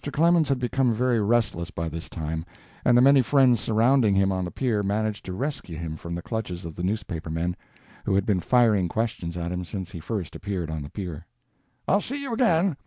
Clemens had become very restless by this time, and the many friends surrounding him on the pier managed to rescue him from the clutches of the newspaper men, who had been firing questions at him since he first appeared on the pier. "I'll see you again.